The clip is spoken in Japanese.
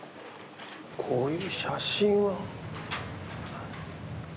こういう写真は。